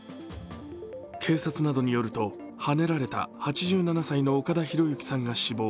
警察などによると、はねられた８７歳の岡田博行さんが死亡。